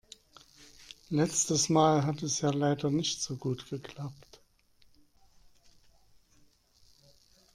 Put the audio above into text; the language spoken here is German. Letztes Mal hat es ja leider nicht so gut geklappt.